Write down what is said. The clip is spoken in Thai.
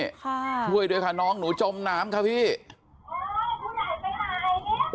ค่ะช่วยด้วยค่ะน้องหนูจมน้ำค่ะพี่หายไปไหน